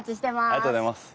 ありがとうございます。